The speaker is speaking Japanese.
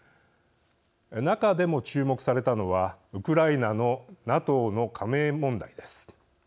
中でも注目されたのはウクライナのＮＡＴＯの加盟問題です。